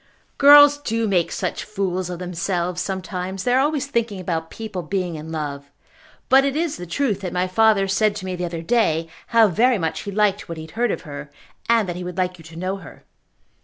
"Girls do make such fools of themselves sometimes. They are always thinking about people being in love. But it is the truth that my father said to me the other day how very much he liked what he had heard of her, and that he would like you to know her."